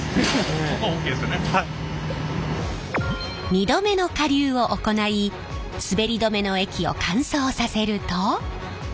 ２度目の加硫を行いすべり止めの液を乾燥させると。